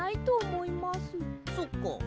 そっか。